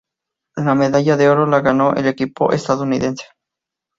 La medalla de oro la ganó el equipo estadounidense.